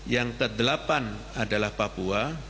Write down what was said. yang kedelapan adalah papua